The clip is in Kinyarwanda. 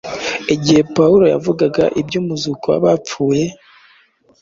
Igihe Pawulo yavugaga iby’umuzuko w’abapfuye,